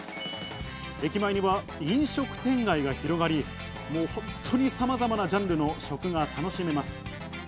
駅前には飲食店街が広がり、もう本当にさまざまなジャンルの食が楽しめます。